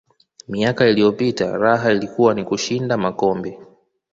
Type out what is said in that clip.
miaka iliyopita raha ilikuwa ni kushinda makombe